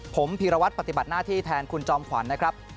ผมพีรวัตรปฏิบัติหน้าที่แทนคุณจอมขวัญนะครับ